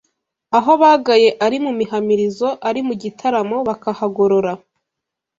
Aho bagaye ari mu mihamirizo ari mu gitaramo bakahagorora